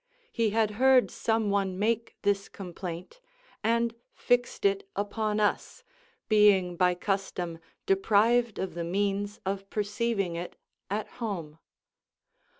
He had heard some one make this complaint, and fixed it upon us, being by custom deprived of the means of perceiving it at home.